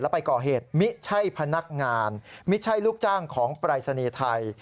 ไปก่อเหตุไม่ใช่พนักงานไม่ใช่ลูกจ้างของปรายศนีย์ไทย